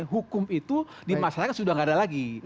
hukum itu dimasalahkan sudah tidak ada lagi